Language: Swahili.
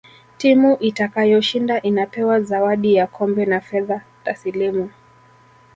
timu itakayoshinda inapewa zawadi ya kombe na fedha tasilimu